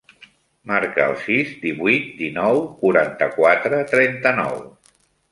Marca el sis, divuit, dinou, quaranta-quatre, trenta-nou.